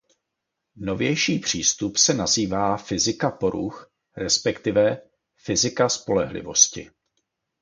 Novější přístup se nazývá fyzika poruch resp. fyzika spolehlivosti.